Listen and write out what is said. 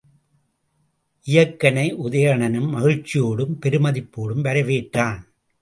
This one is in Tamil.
இயக்கனை உதயணனும் மகிழ்ச்சியோடும் பெருமதிப்போடும் வரவேற்றான்.